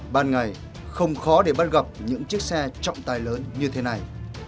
ban ngày không khó để bắt gặp những chiếc xe trọng tài lớn như thế này